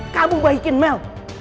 kamu bahikin mel